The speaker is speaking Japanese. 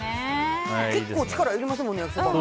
結構、力いりますもんね焼きそば。